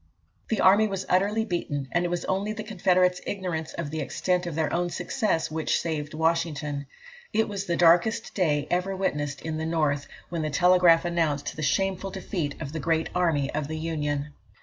The army was utterly beaten, and it was only the Confederates' ignorance of the extent of their own success which saved Washington. It was the darkest day ever witnessed in the North, when the telegraph announced the shameful defeat of the great army of the Union.